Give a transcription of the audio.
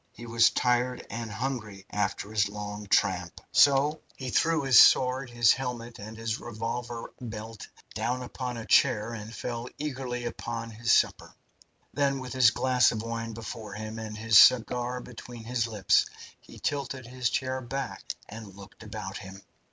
He was tired and hungry after his long tramp, so he threw his sword, his helmet, and his revolver belt down upon a chair, and fell to eagerly upon his supper. Then, with his glass of wine before him and his cigar between his lips, he tilted his chair back and looked about him.